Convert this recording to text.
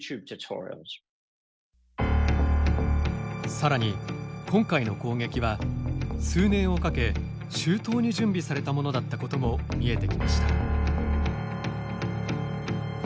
さらに今回の攻撃は数年をかけ、周到に準備されたものだったことも見えてきました。